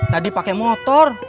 tadi pakai motor